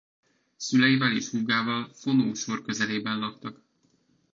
Szüleivel és húgával Fonó sor közelében laktak.